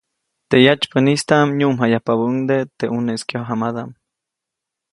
Teʼ yatsypäʼnistaʼm nyuʼmjayapabäʼuŋde teʼ ʼuneʼis kyojamadaʼm.